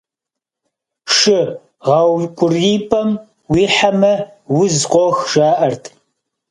Шы гъэукӏуриипӏэм уихьэмэ, уз къох, жаӏэрт.